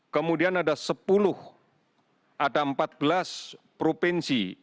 kemudian ada sepuluh ada empat belas provinsi